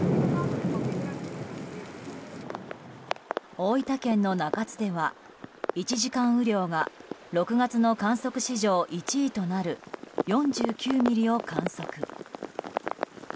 大分県の中津では１時間雨量が６月の観測史上１位となる４９ミリを観測。